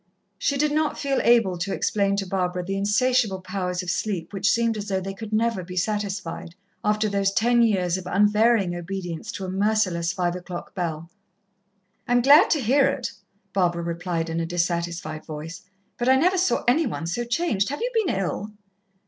She did not feel able to explain to Barbara the insatiable powers of sleep which seemed as though they could never be satisfied, after those ten years of unvarying obedience to a merciless five o'clock bell. "I am glad to hear it," Barbara replied in a dissatisfied voice. "But I never saw any one so changed. Have you been ill?"